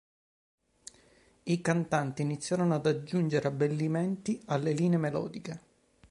I cantanti iniziarono ad aggiungere abbellimenti alle linee melodiche.